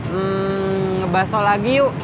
hmm ngebahas soal lagi yuk